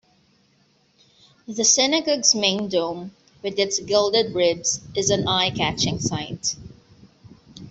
The synagogue's main dome with its gilded ribs is an eye-catching sight.